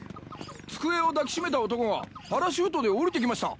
机を抱き締めた男がパラシュートでおりてきました。